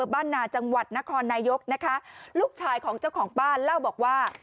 บ้านนาจังหวัดนครนายกนะคะลูกชายของเจ้าของบ้านเล่าบอกว่า